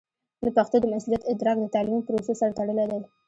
د پښتو د مسوولیت ادراک د تعلیمي پروسو سره تړلی دی.